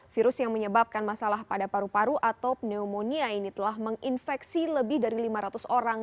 virus yang menyebabkan masalah pada paru paru atau pneumonia ini telah menginfeksi lebih dari lima ratus orang